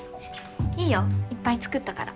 いいよいっぱい作ったから。